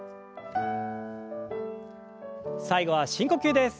最後は深呼吸です。